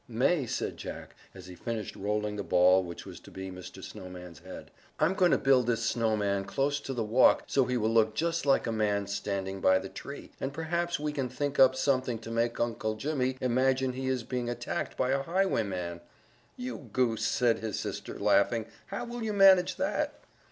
"May," said Jack, as he finished rolling the ball which was to be Mr. Snowman's head, "I'm going to build this snowman close to the walk so he will look just like a man standing by the tree, and perhaps we can think up something to make Uncle Jimmy imagine he is being attacked by a highwayman." "You goose," said his sister, laughing; "how will you manage that?"